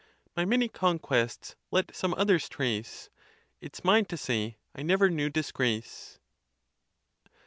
My many conquests let some others trace ; It's mine to say, I never knew disgrace.